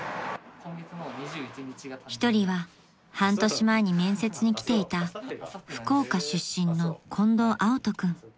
［一人は半年前に面接に来ていた福岡出身の］